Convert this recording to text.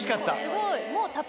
すごい。